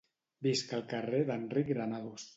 Visc al carrer d'Enric Granados